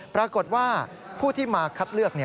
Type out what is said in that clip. ปรากฏว่าผู้ที่มาคัดเลือก